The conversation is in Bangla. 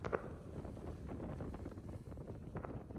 স্যার উনার কথায় যুক্তি আছে।